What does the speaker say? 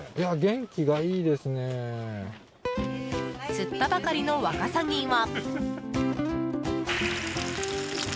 釣ったばかりのワカサギは。